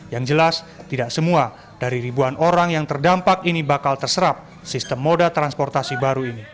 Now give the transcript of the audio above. yang jelas tidak semua dari ribuan orang yang terdampak ini bakal terserap sistem moda transportasi baru ini